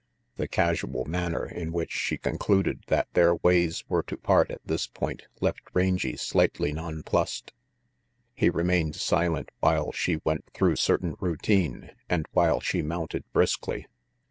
The casual manner in which she concluded that their ways were to part at this point left Rangy slightly nonplussed. He remained silent while she went through certain routine and while she mounted briskly.